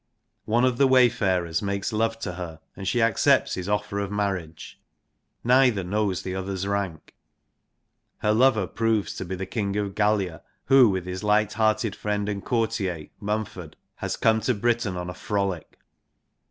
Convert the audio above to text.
One of the wayfarers makes love to her, and she accepts his offer of marriage. Neither knows the other's rank. Her lover proves to be the King of Gallia, who with his lighthearted friend and courtier, Mumford, has come to Britain on a frolic.